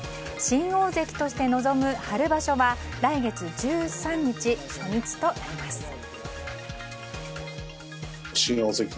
新大関として臨む春場所は来月１３日初日となります。